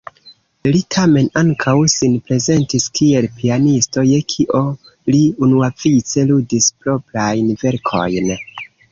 Li tamen ankaŭ sin prezentis kiel pianisto, je kio li unuavice ludis proprajn verkojn.